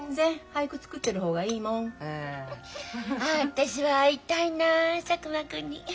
私は会いたいな佐久間君に。